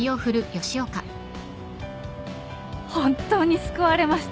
本当に救われました。